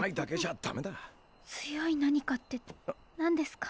強い何かって何ですか？